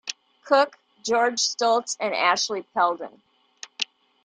Cook, George Stults and Ashley Peldon.